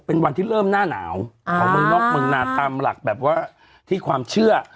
เป็นวันที่เริ่มหน้าหนาวของเมืองนอกเมืองนาตามหลักแบบว่าที่ความเชื่อ